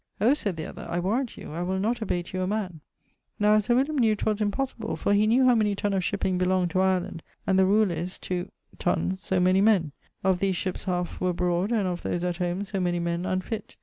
'Oh,' sayd the other, 'I warrant you, I will not abate you a man.' Now Sir William knew 'twas impossible, for he knew how many tunne of shipping belongd to Ireland, and the rule is, to ... tunnes so many men. Of these shipps halfe were abroad, and of those at home so many men unfit.